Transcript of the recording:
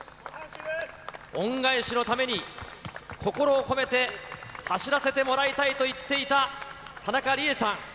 恩返しのために、心を込めて走らせてもらいたいと言っていた田中理恵さん。